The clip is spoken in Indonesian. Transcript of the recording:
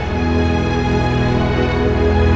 febri ngobrol sama bapak ya